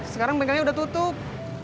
sekarang bengkelnya udah tutup